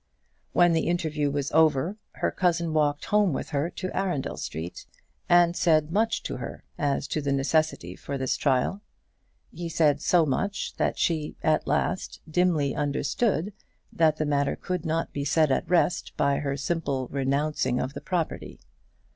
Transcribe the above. When the interview was over, her cousin walked home with her to Arundel Street, and said much to her as to the necessity for this trial. He said so much, that she, at last, dimly understood that the matter could not be set at rest by her simple renouncing of the property.